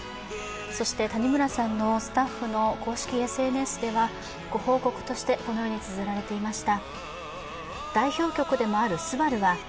そして、谷村さんのスタッフの公式ＳＮＳではご報告としてこのようにつづられていました。